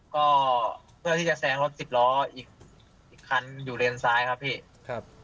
ก็เพื่อที่จะแซงรถสิบล้ออีกอีกคันอยู่เลนซ้ายครับพี่ครับ